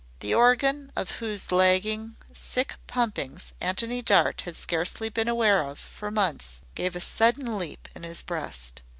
The organ of whose lagging, sick pumpings Antony Dart had scarcely been aware for months gave a sudden leap in his breast.